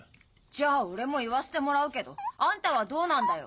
じゃあ俺も言わせてもらうけどあんたはどうなんだよ？